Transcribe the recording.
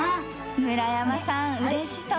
村山さん、うれしそう。